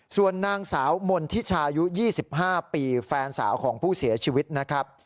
ส่วนนางสาวมณฑิชายุ๒๕ปีแฟนสาวของผู้เสียชีวิตนะครับ